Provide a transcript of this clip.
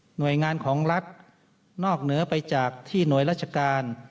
หน่วยงานของรัฐนอกเหนือไปจากที่หน่วยราชการ